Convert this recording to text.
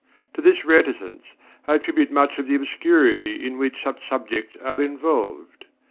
To this reticence I attribute much of the obscurity in which such subjects are involved.